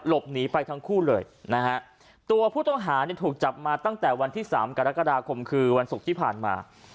หลบหนีไปทั้งคู่เลยนะฮะตัวผู้ต้องหาเนี่ยถูกจับมาตั้งแต่วันที่สามกรกฎาคมคือวันศุกร์ที่ผ่านมา